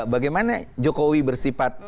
bagaimana jokowi bersifat